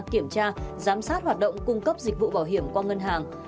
kiểm tra giám sát hoạt động cung cấp dịch vụ bảo hiểm qua ngân hàng